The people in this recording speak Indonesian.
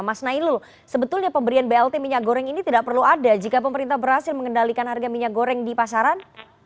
mas nailul sebetulnya pemberian blt minyak goreng ini tidak perlu ada jika pemerintah berhasil mengendalikan harga minyak goreng di pasaran